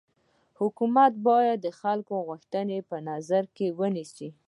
حکومت باید د خلکو غوښتني په نظر کي ونيسي.